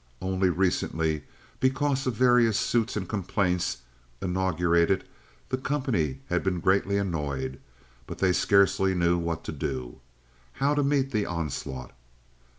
Only recently, because of various suits and complaints inaugurated, the company had been greatly annoyed, but they scarcely knew what to do, how to meet the onslaught.